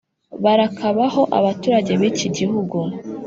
Barakabaho abaturage b’iki gihugu.